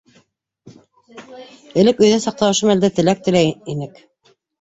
Элек өйҙә саҡта ошо мәлдә теләк теләй инек.